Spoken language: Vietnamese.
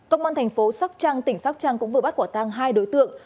công an thành phố sóc trăng tỉnh sóc trăng cũng vừa bắt quả tang hai đối tượng